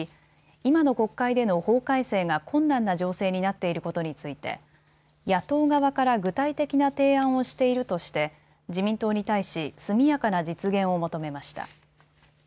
今の国会での法改正が困難な情勢になっていることについて野党側から具体的な提案をしているとして自民党に対し速やかな実現を求めました。